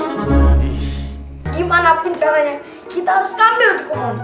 gimana pencaranya kita harus ambil itu kuman